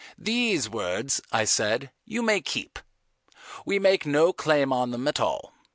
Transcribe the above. "These words," I said, "you may keep. We make no claim on them at all.